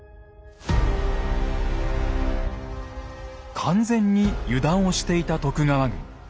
完全に油断をしていた徳川軍。